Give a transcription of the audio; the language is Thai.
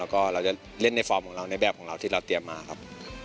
แล้วก็เราจะเล่นในฟอร์มของเราในแบบของเราที่เราเตรียมมาครับ